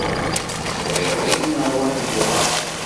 Ẓriɣ dakken ṛṛwaḥ yewɛeṛ.